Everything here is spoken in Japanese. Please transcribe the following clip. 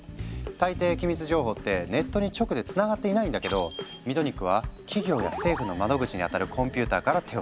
大抵機密情報ってネットに直でつながっていないんだけどミトニックは企業や政府の窓口にあたるコンピューターから手を付ける。